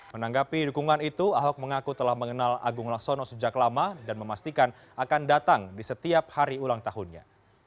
menanggapi dukungan itu ahok mengaku telah mengenal agung laksono sejak lama dan memastikan akan datang di setiap hari ulang tahunnya